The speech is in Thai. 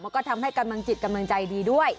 แล้วก็ทำให้กำลังจิตกำลังใจดีด้วย